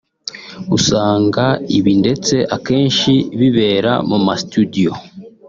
”Usanga ibi ndetse akenshi bibera mu mastudio